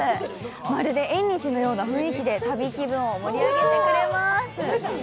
まるで縁日のような雰囲気で旅気分を盛り上げてくれまーす。